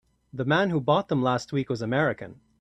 The man who bought them last week was American.